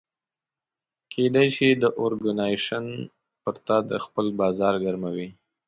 کېدای شي دا اورګنایزیش پر تا خپل بازار ګرموي.